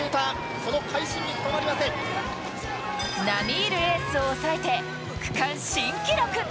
並みいるエースを抑えて、区間新記録。